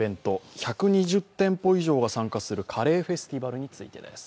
１２０店舗以上が参加するカレーフェスティバルについてです。